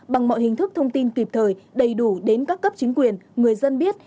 bằng mọi hình thức thông tin kịp thời đầy đủ đến các cấp chính quyền người dân biết